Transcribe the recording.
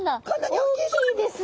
大きいですね。